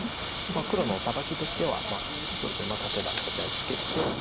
黒のサバキとしてはまあ例えばこちらにツケて。